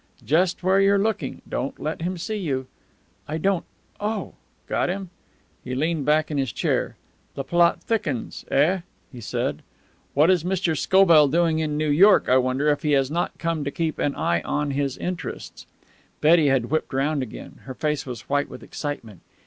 "Just where you're looking. Don't let him see you." "I don't Oh!" "Got him?" He leaned back in his chair. "The plot thickens, eh?" he said. "What is Mr. Scobell doing in New York, I wonder, if he has not come to keep an eye on his interests?" Betty had whipped round again. Her face was white with excitement.